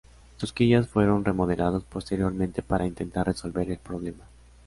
Sus quillas fueron remodeladas posteriormente para intentar resolver el problema.